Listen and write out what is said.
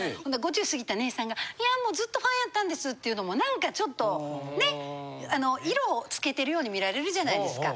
５０過ぎたねえさんが「やもうずっとファンやったんです」っていうのもなんかちょっとね色をつけてるように見られるじゃないですか。